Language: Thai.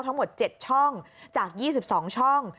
ทั้งหมด๗ช่องจาก๒๒ช่อง